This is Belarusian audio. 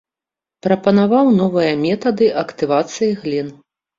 Прапанаваў новыя метады актывацыі глін.